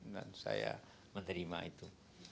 dan saya menerima itu